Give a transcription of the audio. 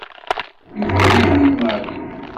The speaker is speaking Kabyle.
Yuba ur yumin Mary.